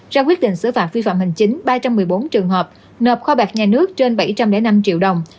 ra quyết định xử phạm vi phạm hình chính ba trăm một mươi bốn trường hợp nợp kho bạc nhà nước trên bảy trăm linh năm triệu đồng